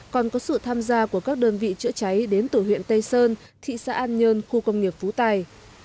còn có sự tham gia của các đơn vị chữa cháy đến từ huyện tây sơn thị xã an nhơn khu công nghiệp phú tài